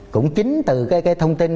cũng chính từ cái thông tin